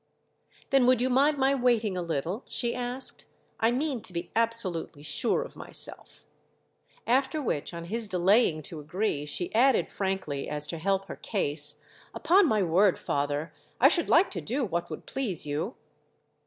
"Then would you mind my waiting a little?" she asked. "I mean to be absolutely sure of myself." After which, on his delaying to agree, she added frankly, as to help her case: "Upon my word, father, I should like to do what would please you."